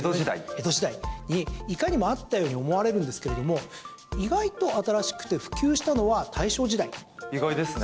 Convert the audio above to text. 江戸時代にいかにもあったように思われるんですけれども意外と新しくて意外ですね。